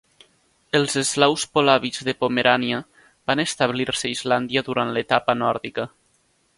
Els eslaus polabis de Pomerània van establir-se a Islàndia durant l'etapa nòrdica.